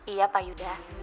iya pak yuda